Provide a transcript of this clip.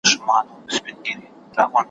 تر قدم دي سر فدا دئ، په دې لاره ګوندي را سې.